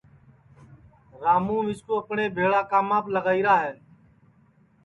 راموں مِسکُو اپٹؔے بھیݪا کاماپ لگائیرا ہے